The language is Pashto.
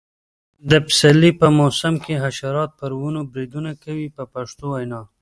د پسرلي په موسم کې حشرات پر ونو بریدونه کوي په پښتو وینا.